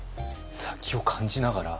殺気を感じながら。